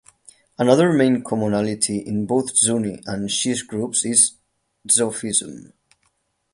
Another main commonality in both Sunni and Shi’i groups is Sufism.